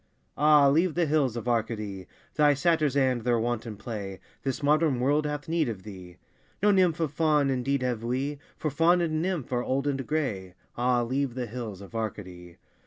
Ah, leave the hills of Arcady, Thy satyrs and their wanton play, This modern world hath need of thee. No nymph of Faun indeed have we, For Faun and nymph are old and grey, Ah, leave the hills of Arcady!